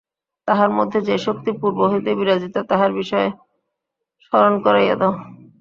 তাহার মধ্যে যে-শক্তি পূর্ব হইতে বিরাজিত, তাহার বিষয় স্মরণ করাইয়া দাও।